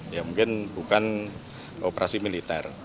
ya mungkin bukan operasi militer